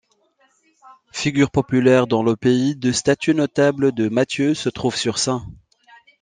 Figure populaire dans le pays, deux statues notables de Mathew se trouvent sur St.